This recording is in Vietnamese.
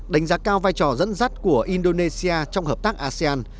đánh giá cao vai trò dẫn dắt của indonesia trong hợp tác asean